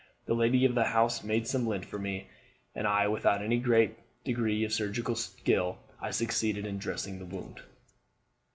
The lady of the house made some lint for me; and without any great degree of surgical skill I succeeded in dressing the wound.